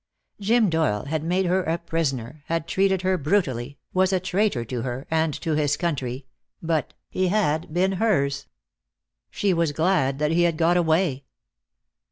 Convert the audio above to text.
Jim Doyle had made her a prisoner, had treated her brutally, was a traitor to her and to his country, but he had been hers. She was glad that he had got away.